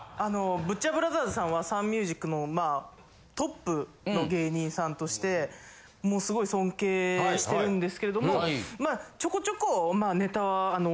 ブッチャーブラザーズさんはサンミュージックのトップの芸人さんとしてすごい尊敬してるんですけどもまあちょこちょこネタ。